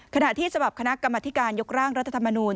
ขณะที่ฉบับคณะกรรมธิการยกร่างรัฐธรรมนูล